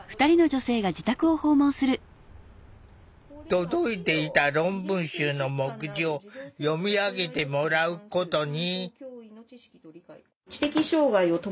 届いていた論文集の目次を読み上げてもらうことに。